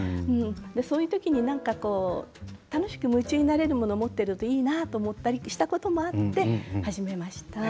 そういう時に何か楽しく夢中になれるものを持っているといいなと思ったりしたこともあって始めました。